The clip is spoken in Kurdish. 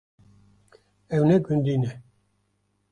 Ew ne gundî ne.